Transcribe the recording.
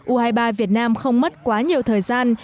u hai mươi ba việt nam không mất quá nhiều thời gian